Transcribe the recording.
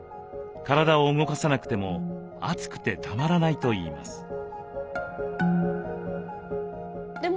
体を動かさなくても暑くてたまらないといいます。